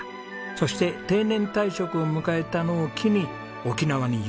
そして定年退職を迎えたのを機に沖縄にＵターン。